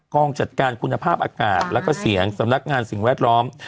องจัดการคุณภาพอากาศแล้วก็เสียงสำนักงานสิ่งแวดล้อม